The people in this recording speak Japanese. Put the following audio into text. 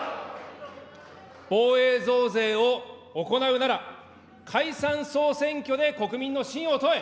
防衛増税を行うなら、解散・総選挙で国民の信を問え。